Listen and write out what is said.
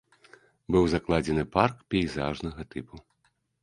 Быў закладзены парк пейзажнага тыпу.